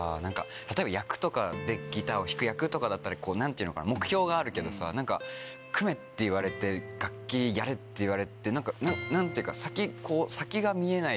例えば役とかでギターを弾く役とかだったら目標があるけどさ何か組めって言われて楽器やれって言われて何ていうか。